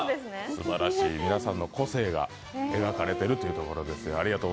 すばらしい皆さんの個性が描かれているところです。